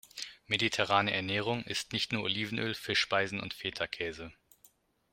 Mediterrane Ernährung ist nicht nur Olivenöl, Fischspeisen und Fetakäse.